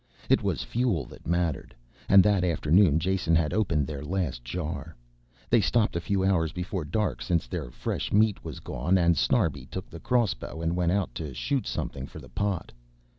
It was fuel that mattered, and that afternoon Jason had opened their last jar. They stopped a few hours before dark since their fresh meat was gone, and Snarbi took the crossbow and went out to shoot something for the pot.